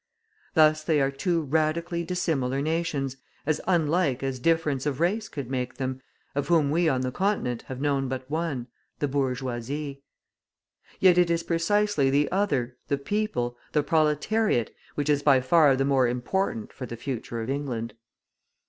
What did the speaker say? Thus they are two radically dissimilar nations, as unlike as difference of race could make them, of whom we on the Continent have known but one, the bourgeoisie. Yet it is precisely the other, the people, the proletariat, which is by far the more important for the future of England.